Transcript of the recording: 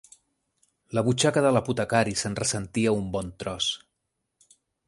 La butxaca de l'apotecari se'n ressentia un bon tros